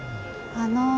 あの。